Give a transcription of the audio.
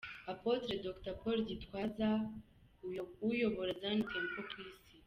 Apotre Dr Paul Gitwaza uyobora Zion Temple ku isi.